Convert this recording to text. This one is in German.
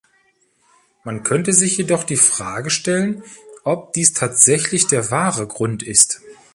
Man könnte sich jedoch die Frage stellen, ob dies tatsächlich der wahre Grund ist.